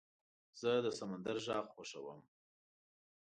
زه د سمندر غږ خوښوم.